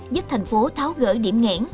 giúp thành phố tháo gỡ điểm ngẽn